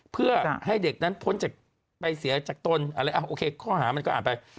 เพื่อให้เด็กนั้นพ้นจากไปเสียจากตนอะไรโอเคข้อหามันก็อ่านไป